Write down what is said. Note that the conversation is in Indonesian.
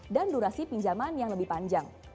dan durasi pinjaman yang lebih panjang